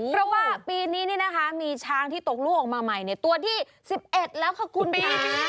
เพราะว่าปีนี้มีช้างที่ตกลูกออกมาใหม่ตัวที่๑๑แล้วค่ะคุณค่ะ